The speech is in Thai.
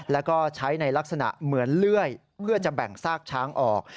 แล้วก็ใช้ในลักษณะเหมือนเลื่อยเพื่อจะแบ่งซากช้างออก